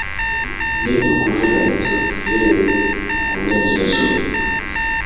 ni ukuvuga inzu iherereye mu burengerazuba